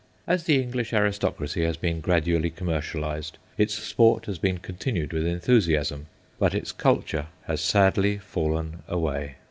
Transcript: As the English aristocracy has been gradu ally commercialised, its sport has been con tinued with enthusiasm, but its culture has sadly fallen away.